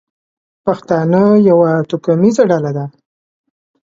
پښتانه یوه توکمیزه ډله ده.